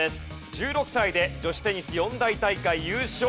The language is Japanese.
１６歳で女子テニス四大大会優勝。